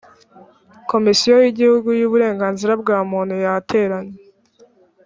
komisiyo y’igihugu y’uburenganzira bwa muntu yateranye